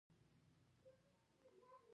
د سیارو مدارونه بیضوي دي.